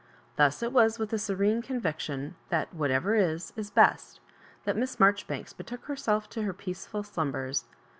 Thus it was with a serene conviction that '* whatever is, is best," that Miss Marjoribanks betook her self to her peaceful slumbers.